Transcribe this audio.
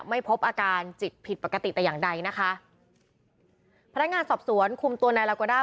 ไม่พบอาการจิตผิดปกติแต่อย่างใดนะคะพนักงานสอบสวนคุมตัวนายลาโกด้า